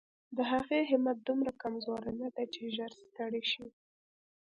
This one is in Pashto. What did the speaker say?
د هغې همت دومره کمزوری نه دی چې ژر ستړې شي.